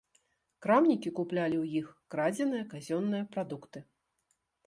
Крамнікі куплялі ў іх крадзеныя казённыя прадукты.